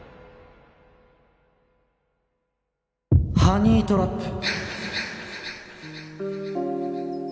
ハニートラップ。